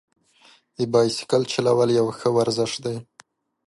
د بایسکل چلول یو ښه ورزش دی.